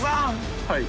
はい。